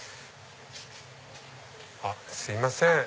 あっすいません。